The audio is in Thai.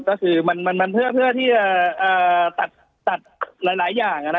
ก็คือมันเพื่อที่จะตัดหลายอย่าง